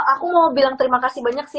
aku mau bilang terima kasih banyak sih